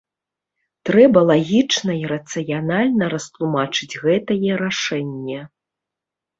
Трэба лагічна і рацыянальна растлумачыць гэтае рашэнне.